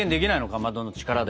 かまどの力で。